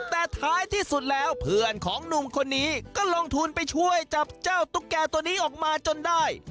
แต่ท้ายที่สุดแล้วเพื่อนของหนุ่มคนนี้ก็ลงทุนไปช่วยจับเจ้าตุ๊กแก่ตัวนี้ออกมาจนได้